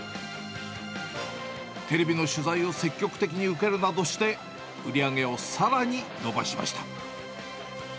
テレビの取材を積極的に受けるなどして、売り上げをさらに伸ばしました。